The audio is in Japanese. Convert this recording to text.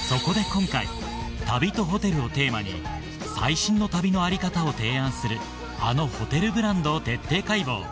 今回「旅とホテル」をテーマに最新の旅のあり方を提案するあのホテルブランドを徹底解剖